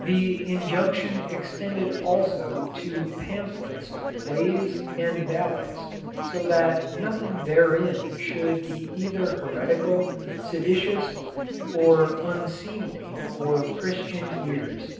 The Injunction extended also to "pampheletes, playes, and balletes," so that "nothinge therein should be either heretical, sedicious, or vnsemely for Christian eares."